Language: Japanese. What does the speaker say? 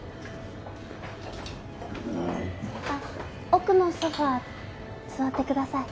奥のソファ座ってください。